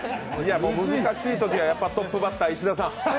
やはり難しいときはトップバッター、石田さん。